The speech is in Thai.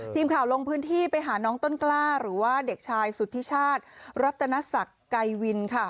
ทีมข่าวลงพื้นที่ไปหาน้องต้นกล้าหรือว่าเด็กชายสุธิชาติรัตนศักดิ์ไกรวินค่ะ